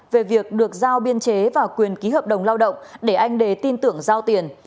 về việc được giao biên chế và quyền ký hợp đồng lao động để anh đề tin tưởng giao tiền